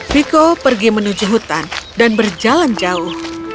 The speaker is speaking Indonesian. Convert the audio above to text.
viko pergi menuju hutan dan berjalan jauh